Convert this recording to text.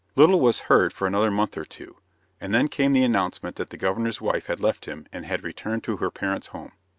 Little was heard for another month or two, and then came the announcement that the Governor's wife had left him and had returned to her parents' home.